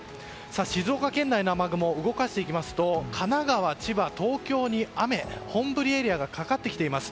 静岡県内の雨雲を動かしていきますと神奈川、千葉、東京に雨本降りエリアがかかってきています。